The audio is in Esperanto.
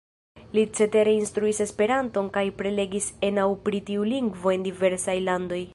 Li cetere instruis Esperanton kaj prelegis en aŭ pri tiu lingvo en diversaj landoj.